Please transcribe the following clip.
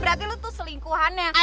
berarti lu tuh selingkuhannya